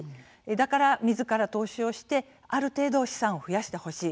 だから、みずから投資をしてある程度、資産を増やしてほしい。